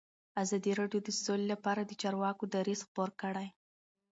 ازادي راډیو د سوله لپاره د چارواکو دریځ خپور کړی.